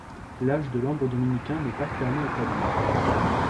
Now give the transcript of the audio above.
L'âge de l'ambre dominicain n'est pas clairement établi.